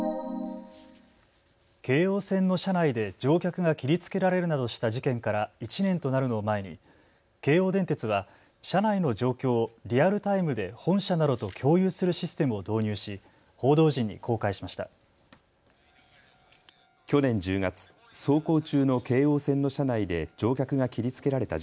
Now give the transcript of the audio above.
京王線の車内で乗客が切りつけられるなどした事件から１年となるのを前に京王電鉄は車内の状況をリアルタイムで本社などと共有するシステムを導入し報道陣に公開しました。